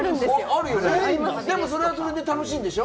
それはそれで楽しんでしょ？